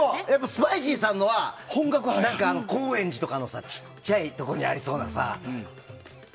スパイシーさんのは高円寺とかの小さいところにありそうな。